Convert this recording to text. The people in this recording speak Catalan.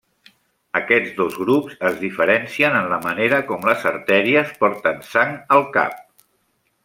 Aquests dos grups es diferencien en la manera com les artèries porten sang al cap.